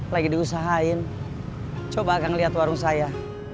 lagi diusahain coba akan lihat warung saya